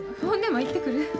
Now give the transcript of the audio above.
ほんでも行ってくる。